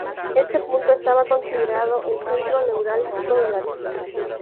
Este punto estaba considerado "el centro neurálgico de la Villa".